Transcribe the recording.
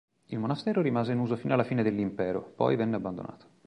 Il monastero rimase in uso fino alla fine dell'Impero, poi venne abbandonato.